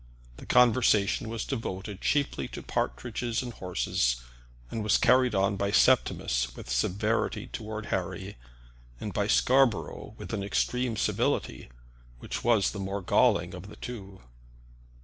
The conversation was devoted chiefly to the partridges and horses; and was carried on by Septimus with severity toward Harry, and by Scarborough with an extreme civility which was the more galling of the two.